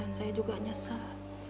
dan saya juga nyesel